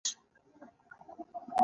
مور یې ټوله ورځ ښېرې کوي.